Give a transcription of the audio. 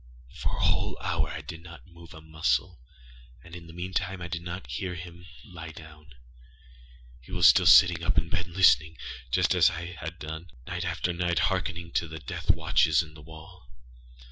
For a whole hour I did not move a muscle, and in the meantime I did not hear him lie down. He was still sitting up in the bed listening; âjust as I have done, night after night, hearkening to the death watches in the wall.